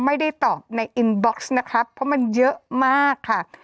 ไม่ได้ตอบในอินบ็อกซ์นะครับเพราะมันเยอะมากค่ะ